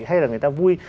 hay là người ta vui